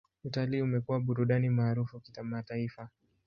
Utalii umekuwa burudani maarufu kimataifa.